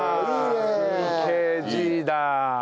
ＴＫＧだ。